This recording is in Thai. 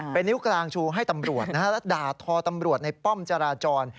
เป็นนิ้วกลางชูให้ตำรวจและด่าทอตำรวจในป้อมจราจร